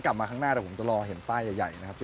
คุณต้องเป็นผู้งาน